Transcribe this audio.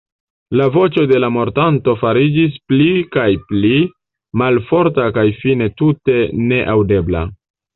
La voĉo de la mortanto fariĝis pli kaj pli malforta kaj fine tute neaŭdebla.